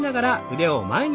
腕を上に。